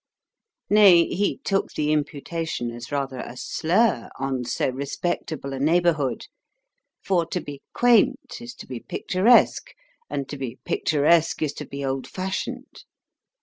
Nay, he took the imputation as rather a slur on so respectable a neighbourhood: for to be quaint is to be picturesque, and to be picturesque is to be old fashioned.